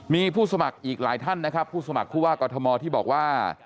มีผู้สมัครอีกหลายท่านนะครับผู้สมัครผู้ว่ากอทมที่บอกว่า